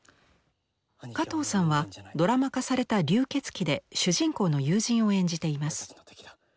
加藤さんはドラマ化された「流血鬼」で主人公の友人を演じています。